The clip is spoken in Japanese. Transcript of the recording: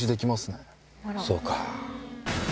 そうか。